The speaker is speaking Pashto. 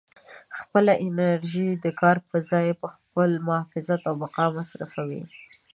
خپله انرژي د کار په ځای پر خپل محافظت او بقا مصروفوئ.